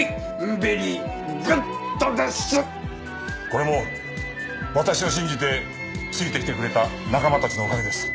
これも私を信じてついてきてくれた仲間たちのおかげです。